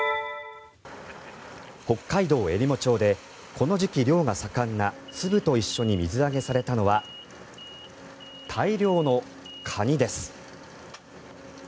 北海道えりも町でこの時期漁が盛んなつぶと一緒に水揚げされたのは大量のカニです。